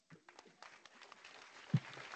U Shohidani yaxshi ko‘rardi